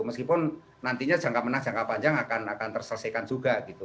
meskipun nantinya jangka menang jangka panjang akan terselesaikan juga gitu